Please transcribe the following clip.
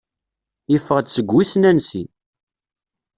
Yeffeɣ-d seg wissen ansi.